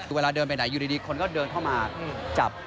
เวลาเดินไปไหนอยู่ดีคนก็เดินเข้ามาจับ